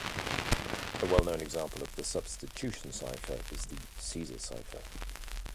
A well-known example of a substitution cipher is the Caesar cipher.